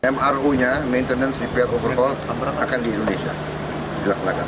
mru nya maintenance repair overhaul akan di indonesia